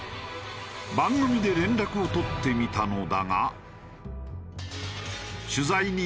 番組で連絡を取ってみたのだが。